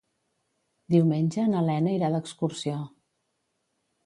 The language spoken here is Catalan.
Diumenge na Lena irà d'excursió.